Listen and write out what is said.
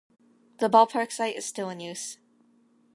The ballpark site is still in use.